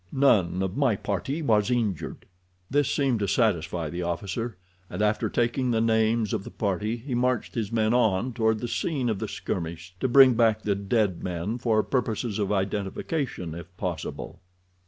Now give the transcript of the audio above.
None of my party was injured." This seemed to satisfy the officer, and after taking the names of the party he marched his men on toward the scene of the skirmish to bring back the dead men for purposes of identification, if possible.